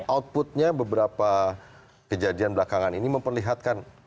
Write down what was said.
outputnya beberapa kejadian belakangan ini memperlihatkan